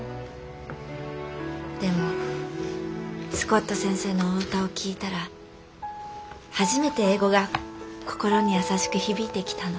でもスコット先生のお歌を聴いたら初めて英語が心に優しく響いてきたの。